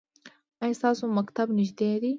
ایا ستاسو مکتب نږدې دی؟